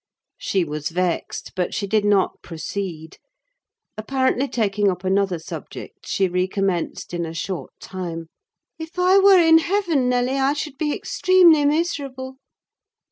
She was vexed, but she did not proceed. Apparently taking up another subject, she recommenced in a short time. "If I were in heaven, Nelly, I should be extremely miserable."